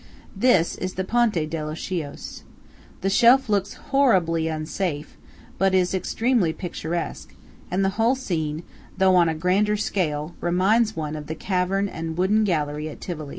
This is the Ponte dello Schios. The shelf looks horribly unsafe, but is extremely picturesque; and the whole scene, though on a grander scale, reminds one of the cavern and wooden gallery at Tivoli.